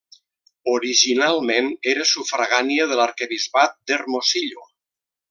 Originalment era sufragània de l'arquebisbat d'Hermosillo.